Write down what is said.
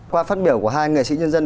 qua phát biểu của hai nghệ sĩ nhân dân